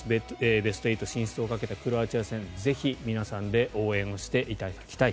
ベスト８進出をかけたクロアチア戦ぜひ皆さんで応援していただきたい。